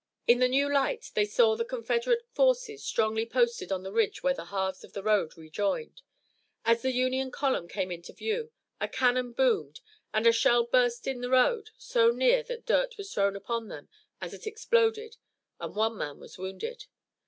In the new light they saw the Confederate forces strongly posted on the ridge where the halves of the road rejoined. As the Union column came into view a cannon boomed and a shell burst in the road so near that dirt was thrown upon them as it exploded and one man was wounded.